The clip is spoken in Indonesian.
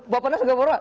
bapak penas juga formal